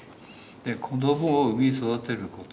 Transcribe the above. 子どもを産み育てること。